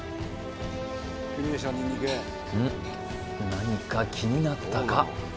何か気になったか？